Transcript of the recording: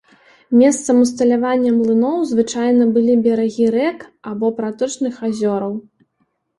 Месцам усталявання млыноў звычайна былі берагі рэк або праточных азёраў.